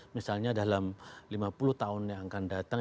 misalnya dalam lima puluh tahun yang akan datang